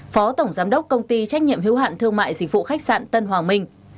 phó tổng giám đốc công ty trách nhiệm hiếu hạn thương mại dịch vụ khách sạn tân hoàng minh